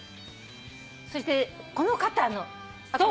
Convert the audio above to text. そしてこの方と。